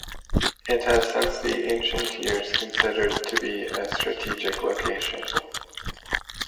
It has since the ancient years considered to be a strategic location.